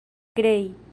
krei